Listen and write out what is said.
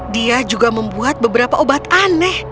dia juga membuat beberapa obat aneh